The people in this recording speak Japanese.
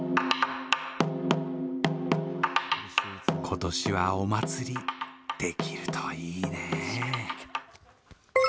今年はお祭りできるといいね。